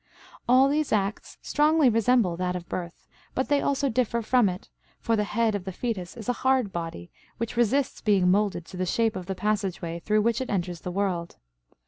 All these acts strongly resemble that of birth; but they also differ from it, for the head of the fetus is a hard body which resists being molded to the shape of the passageway through which it enters the world.